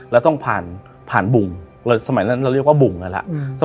แล้วต้องผ่านผ่านบุงแล้วสมัยนั้นเราเรียกว่าบุงอะแหละอืม